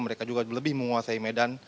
mereka juga lebih menguasai medan